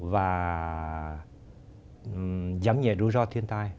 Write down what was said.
và giám nhạy rủi ro thiên tai